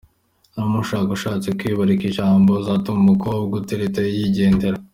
Nuramuka ushatse kwiharira ijambo uzatuma umukobwa utereta yigendera.